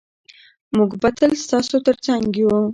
موږ به تل ستاسو ترڅنګ یو.